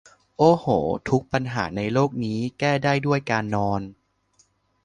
โอ้โห ทุกปัญหาในโลกนี้ แก้ได้ด้วยการนอน